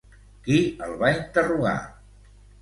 Qui el va interrogar?